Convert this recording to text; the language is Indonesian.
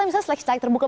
misalnya seleksi terbuka